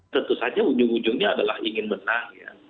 tentu saja ujung ujungnya adalah ingin menang ya